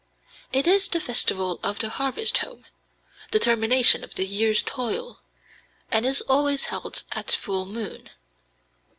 It is the festival of the harvest home, the termination of the year's toil, and is always held at full moon.